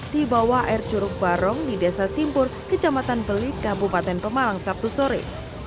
di bawah air curug barong di desa simpur kecamatan beli kabupaten pemalang sabtu sore